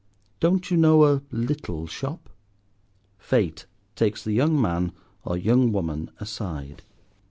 Don't you know a little shop?" Fate takes the young man or the young woman aside.